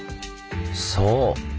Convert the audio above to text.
そう！